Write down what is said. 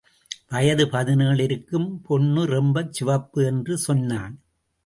வயது பதினேழு இருக்கும் பொண்ணு ரொம்ப சிவப்பு என்று சொன்னான்.